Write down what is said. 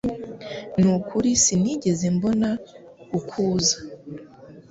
Nukuri sinigeze mbona ukuza